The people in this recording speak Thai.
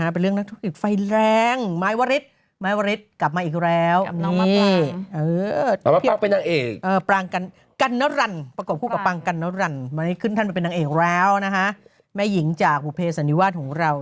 เป็นนังเอกแล้วนะฮะแม่หญิงจากบูเปสรรีวารของเรา